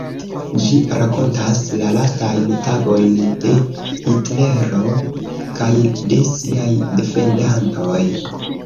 Ĝi rakontas la lastajn tagojn de Hitlero kaj de siaj defendantoj.